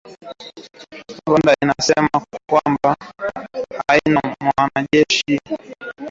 Rwanda inasema kwamba haina mwanajeshi na majina kama hayo katika kikosi chake